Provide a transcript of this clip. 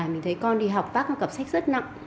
mình thấy con đi học phát một cặp sách rất nặng